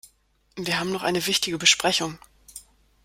Wir haben noch eine wichtige Besprechung.